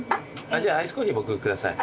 アイスコーヒー僕下さい。